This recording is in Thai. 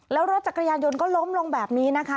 แล้วรถจักรยานยนต์ก็ล้มลงแบบนี้นะคะ